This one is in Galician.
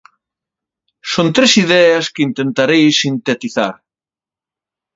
Son tres ideas que intentarei sintetizar.